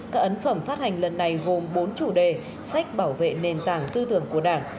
các ấn phẩm phát hành lần này gồm bốn chủ đề sách bảo vệ nền tảng tư tưởng của đảng